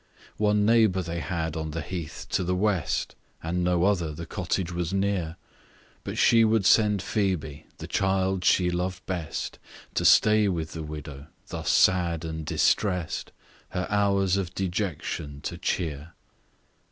Page 66 One neighbour they had on the heath to the west, And no other the cottage was near, But she would send Phoebe, the child she loved best, To stay with the widow, thus sad and distress'd, Her hours of dejection to cheer.